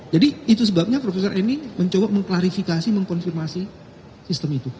jadi itu sebabnya profesor eni mencoba mengklarifikasi mengkonfirmasi sistem itu